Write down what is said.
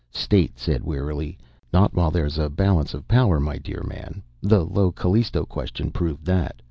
State said wearily: "Not while there's a balance of power, my dear man. The Io Callisto Question proved that.